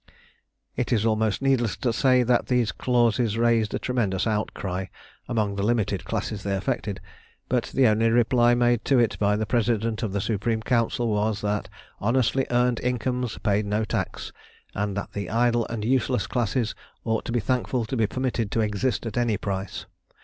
It is almost needless to say that these clauses raised a tremendous outcry among the limited classes they affected; but the only reply made to it by the President of the Supreme Council was "that honestly earned incomes paid no tax, and that the idle and useless classes ought to be thankful to be permitted to exist at any price.